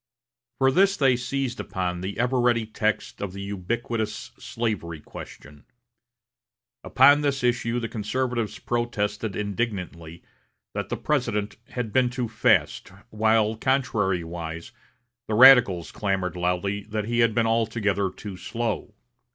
For this they seized upon the ever ready text of the ubiquitous slavery question. Upon this issue the conservatives protested indignantly that the President had been too fast, while, contrarywise, the radicals clamored loudly that he had been altogether too slow.